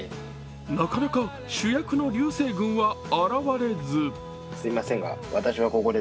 なかなか主役の流星群は現れず。